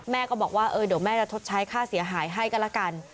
ก็บอกว่าเดี๋ยวแม่จะชดใช้ค่าเสียหายให้ก็ละกัน